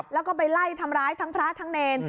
แล้วก็ไปไล่ทำร้ายทั้งพระทั้งเนร